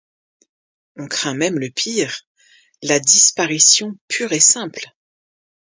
On craint même le pire: la disparition pure et simple.